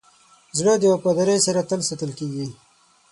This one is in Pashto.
زړه د وفادارۍ سره تل ساتل کېږي.